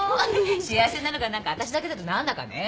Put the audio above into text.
幸せなのが私だけだと何だかね。